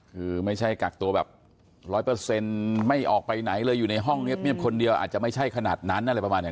คือไม่ใช่กักตัวแบบร้อยเปอร์เซ็นต์ไม่ออกไปไหนเลยอยู่ในห้องเงียบคนเดียวอาจจะไม่ใช่ขนาดนั้นอะไรประมาณอย่าง